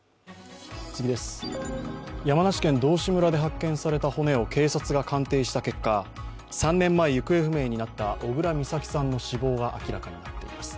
山梨県道志村で発見された骨を警察が鑑定した結果３年前、行方不明になった小倉美咲さんの死亡が明らかになっています。